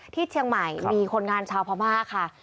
ที่เชียงใหม่มีคนงานชาวพม่าค่ะ